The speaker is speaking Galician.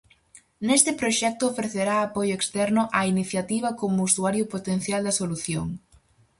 Neste proxecto ofrecerá apoio externo á iniciativa como usuario potencial da solución.